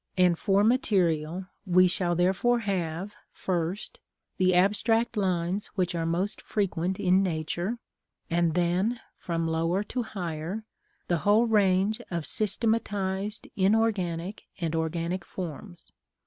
And, for material, we shall therefore have, first, the abstract lines which are most frequent in nature; and then, from lower to higher, the whole range of systematised inorganic and organic forms.